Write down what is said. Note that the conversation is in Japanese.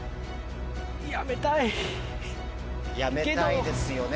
やめたいですよね。